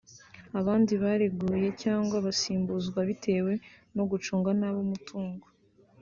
Abandi bareguye cyangwa basimbuzwa bitewe no gucunga nabi umutungo